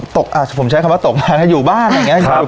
ตกอาจจะผมใช้คำว่าตกมาอยู่บ้านอย่างเงี้ยครับครับ